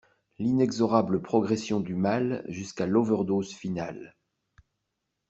l’inexorable progression du mal jusqu’à l’overdose finale.